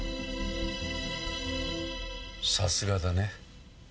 さすがだね。